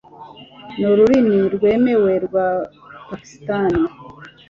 Ni Ururimi rwemewe rwa Pakisitani